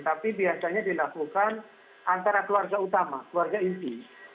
tapi biasanya dilakukan antara keluarga utama keluarga inti